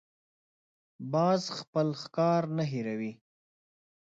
باز خپل ښکار نه هېروي